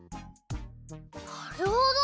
なるほど！